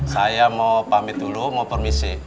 saya mau pamit dulu mau permisi